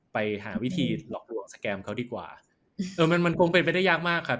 ไปหาวิธีหลอกลวงสแกรมเขาดีกว่าเออมันมันคงเป็นไปได้ยากมากครับ